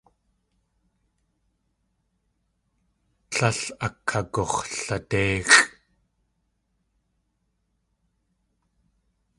Tlél akagux̲ladéixʼ.